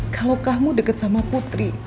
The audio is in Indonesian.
kalau kamu dekat sama putri